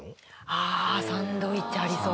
あサンドイッチありそう。